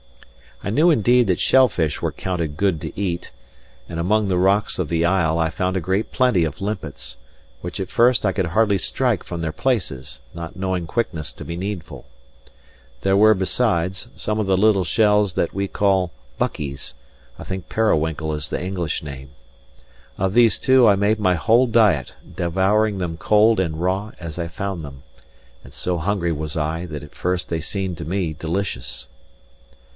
I knew indeed that shell fish were counted good to eat; and among the rocks of the isle I found a great plenty of limpets, which at first I could scarcely strike from their places, not knowing quickness to be needful. There were, besides, some of the little shells that we call buckies; I think periwinkle is the English name. Of these two I made my whole diet, devouring them cold and raw as I found them; and so hungry was I, that at first they seemed to me delicious.